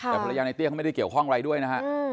แต่ภรรยาในเตี้ยเขาไม่ได้เกี่ยวข้องอะไรด้วยนะฮะ